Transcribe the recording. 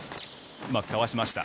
うまくかわしました。